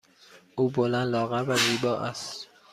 او بلند، لاغر و زیبا است.